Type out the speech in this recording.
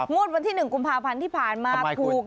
วันที่๑กุมภาพันธ์ที่ผ่านมาถูก